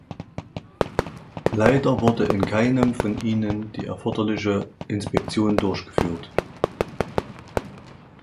Leider wurde in keinem von ihnen die erforderliche Inspektion durchgeführt.